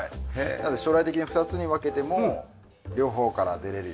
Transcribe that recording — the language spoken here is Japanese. なので将来的に２つに分けても両方から出られるように。